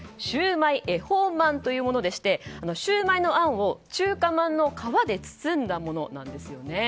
シウマイ恵方まんというものでしてシューマイのあんを中華まんの皮で包んだものなんです。